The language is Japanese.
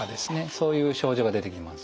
そういう症状が出てきます。